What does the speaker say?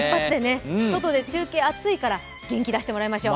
外で中継暑いから元気出してもらいましょう。